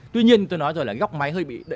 tuy nhiên tôi nói rồi là góc máy hơi bị đâm